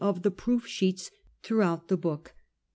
of the proof sheets throughout the book.